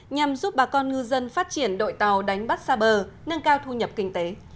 nhằm giúp bà con ngư dân phát triển đội tàu đánh bắt xa bờ nâng cao thu nhập kinh tế